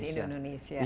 ya bisa made indonesia